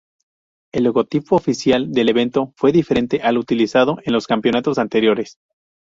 El logotipo oficial del evento fue diferente al utilizado en los campeonatos anteriores.